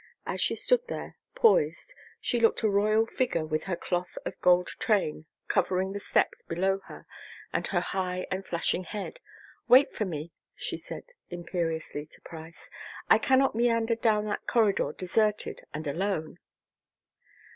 As she stood there, poised, she looked a royal figure with her cloth of gold train covering the steps below her and her high and flashing head. "Wait for me," she said, imperiously to Price. "I cannot meander down that corridor, deserted and alone."